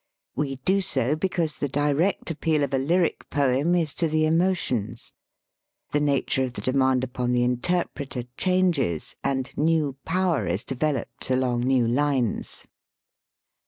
We do so be cause the direct appeal of a lyric poem is to the emotions. The nature of the demand upon the interpreter changes. And new power is developed along new lines.